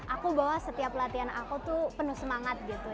aku bahwa setiap latihan aku tuh penuh semangat gitu